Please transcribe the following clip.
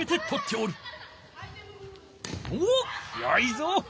おっよいぞ！